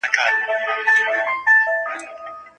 شاګرد د خپلو نظریاتو د ثابتولو هڅه کوي.